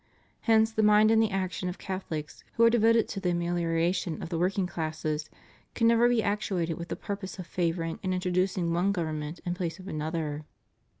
Hence, the mind and the action of Catholics who are devoted to the ameHoration of the working classes, can never be actuated with the purpose of favoring and introducing one government in place of another.